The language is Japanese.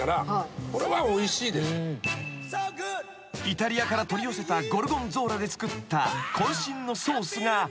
［イタリアから取り寄せたゴルゴンゾーラで作った渾身のソースが］